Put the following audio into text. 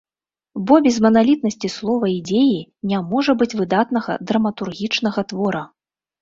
Бо без маналітнасці слова і дзеі не можа быць выдатнага драматургічнага твора.